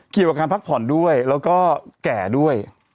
เกี่ยวกับการพักผ่อนด้วยแล้วก็แก่ด้วย